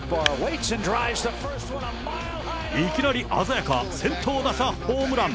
いきなり鮮やか、先頭打者ホームラン。